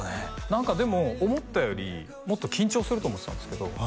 何かでも思ったよりもっと緊張すると思ってたんですけど